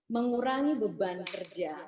mengurangi beban kerja